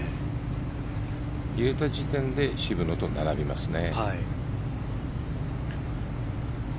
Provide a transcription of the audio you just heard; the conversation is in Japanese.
入れた時点で渋野と並びますね。